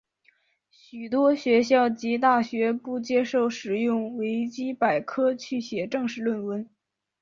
许多学校及大学不接受使用维基百科去写正式论文。